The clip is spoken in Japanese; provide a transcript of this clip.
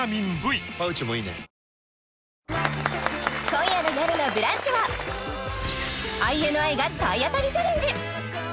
今夜の「よるのブランチ」はＩＮＩが体当たりチャレンジ